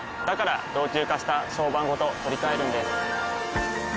から老朽化した床版ごと取り替えるんです。